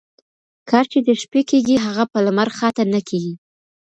کار چي د شپې کيږي هغه په لمرخاته ،نه کيږي